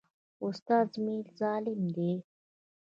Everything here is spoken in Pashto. استاد مي ظالم دی.